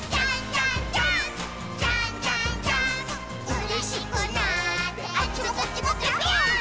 「うれしくなってあっちもこっちもぴょぴょーん」